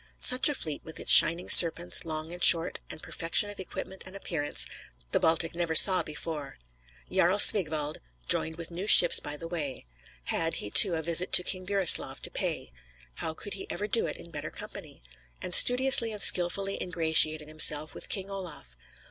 Such a fleet, with its shining Serpents, long and short, and perfection of equipment and appearance, the Baltic never saw before. Jarl Sigwald joined with new ships by the way. "Had," he too, "a visit to King Burislav to pay; how could he ever do it in better company?" and studiously and skilfully ingratiated himself with King Olaf.